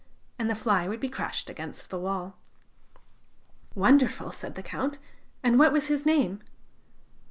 and the fly would be crushed against the wall." "Wonderful!" said the Count. "And what was his name?"